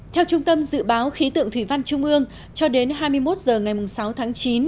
theo trung tâm dự báo khí tượng thủy văn trung ương cho đến hai mươi một h ngày sáu tháng chín